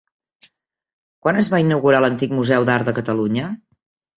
Quan es va inaugurar l'antic Museu d'Art de Catalunya?